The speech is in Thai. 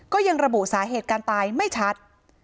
ก็ยังระบุสาเหตุการตายไม่ชัด